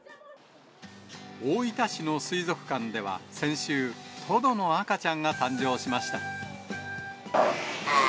大分市の水族館では、先週、トドの赤ちゃんが誕生しました。